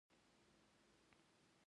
د یوه سړي په ور اوښتو چاودنه نه شي کېدای.